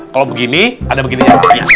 kalau begini ada begininya